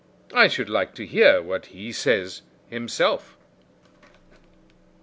I should like to hear what he says himself."